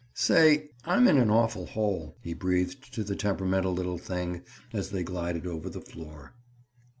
"Say, I'm in an awful hole," he breathed to the temperamental little thing, as they glided over the floor.